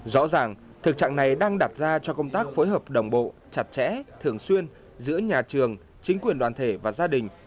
rõ ràng thực trạng này đang đặt ra cho công tác phối hợp đồng bộ chặt chẽ thường xuyên giữa nhà trường chính quyền đoàn thể và gia đình